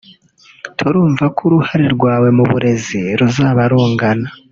turumva uko uruhare rwawe mu burezi ruzaba rungana